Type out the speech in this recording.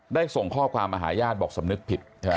ส่งข้อความมาหาญาติบอกสำนึกผิด